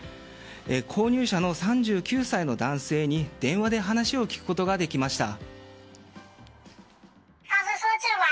購入者の３９歳の男性に電話で話を聞くことができました。